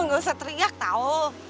aduh saya teriak tau